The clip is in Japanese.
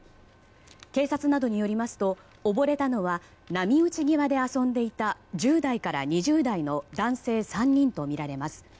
警察などによりますと溺れたのは波打ち際で遊んでいた１０代から２０代の男性３人とみられます。